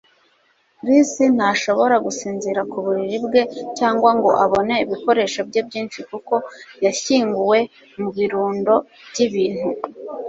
Chris ntashobora gusinzira ku buriri bwe cyangwa ngo abone ibikoresho bye byinshi kuko yashyinguwe mu birundo by'ibintu.